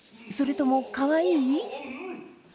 それともかわいい？